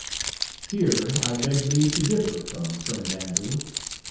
Here I begged leave to differ from friend Andrew.